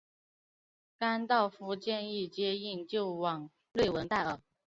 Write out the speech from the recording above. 甘道夫建议接应救往瑞文戴尔。